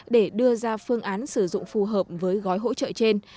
để đưa ra phương án sử dụng phù hợp với gói hỗ trợ trên